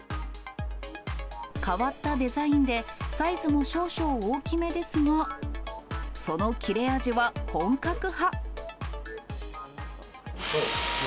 変わったデザインで、サイズも少々大きめですが、その切れ味は本格派。